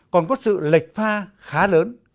còn có sự lệch pha khá lớn